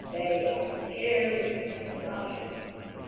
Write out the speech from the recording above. They are tearing my sides."